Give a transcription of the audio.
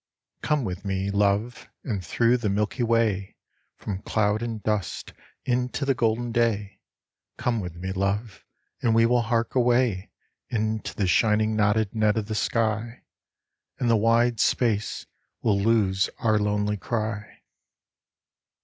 Come with me, love, and through the Milky Way, From cloud and dust, into the golden day, Come with me, love, and we will hark away Into the shining knotted net of the sky ; And the wide space will lose our lonely cry.